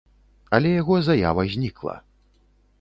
Але яго заява знікла.